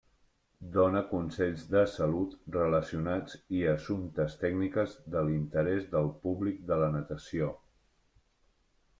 Dóna consells de salut relacionats i assumptes tècniques de l'interès del públic de la natació.